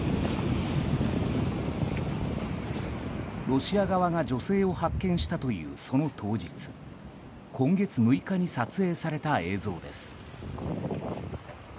ロシア側が女性を発見したというその当日今月６日に撮影された映像です。